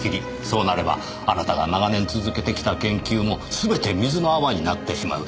そうなればあなたが長年続けてきた研究も全て水の泡になってしまう。